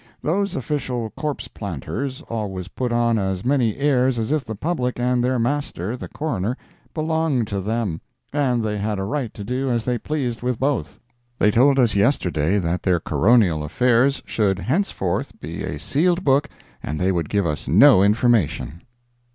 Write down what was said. Those official corpse planters always put on as many airs as if the public and their master, the Coroner, belonged to them, and they had a right to do as they pleased with both. They told us yesterday that their Coronial affairs should henceforth be a sealed book, and they would give us no information.